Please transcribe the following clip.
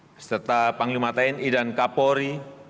beserta panglima tni dan kapolri